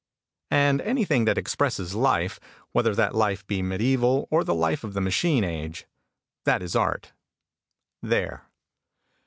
And anything that expresses Life, whether that life be mediaeval or the life of the machine age, that is Art. There.